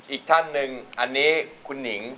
อีกท่านหนึ่งอันนี้คุณหนิง